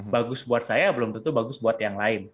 bagus buat saya belum tentu bagus buat yang lain